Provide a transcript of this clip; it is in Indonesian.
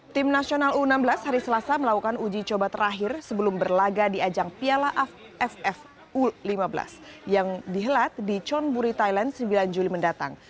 tim nasional u enam belas hari selasa melakukan uji coba terakhir sebelum berlaga di ajang piala aff u lima belas yang dihelat di chunburi thailand sembilan juli mendatang